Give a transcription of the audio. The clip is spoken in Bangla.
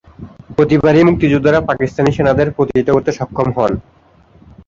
প্রতিবারই মুক্তিযোদ্ধারা পাকিস্তানি সেনাদের প্রতিহত করতে সক্ষম হন।